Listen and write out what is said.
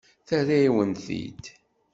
Terra-yawen-t-id.